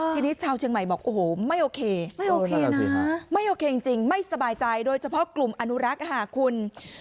ทีนี้ชาวเชียงใหม่บอกโอ้โหไม่โอเคไม่โอเคนะไม่โอเคจริงไม่สบายใจโดยเฉพาะกลุ่มอนุรักษ์ค่ะคุณ